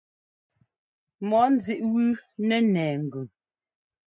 Mɔɔ nzíʼ wú nɛ́ nɛɛ ŋgʉn.